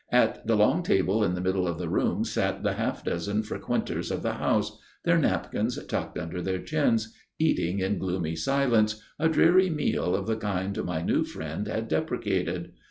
At the long table in the middle of the room sat the half dozen frequenters of the house, their napkins tucked under their chins, eating in gloomy silence a dreary meal of the kind my new friend had deprecated.